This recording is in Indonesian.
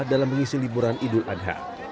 dalam mengisi liburan idul adha